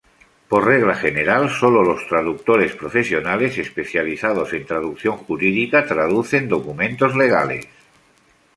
Por regla general, sólo los traductores profesionales especializados en traducción jurídica traducen documentos legales.